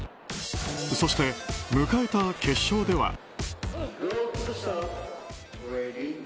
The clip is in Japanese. そして、迎えた決勝では。